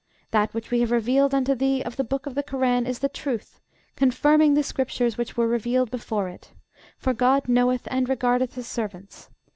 That which we have revealed unto thee of the book of the Korân is the truth, confirming the scriptures which were revealed before it: for GOD knoweth and regardeth his servants.